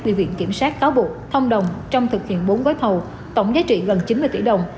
bị viện kiểm sát cáo buộc thông đồng trong thực hiện bốn gói thầu tổng giá trị gần chín mươi tỷ đồng